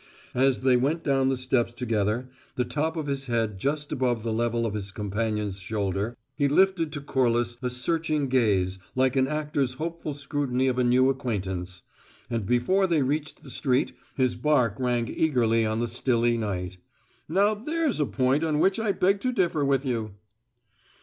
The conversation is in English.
As they went down the steps together, the top of his head just above the level of his companion's shoulder, he lifted to Corliss a searching gaze like an actor's hopeful scrutiny of a new acquaintance; and before they reached the street his bark rang eagerly on the stilly night: "Now there is a point on which I beg to differ with you.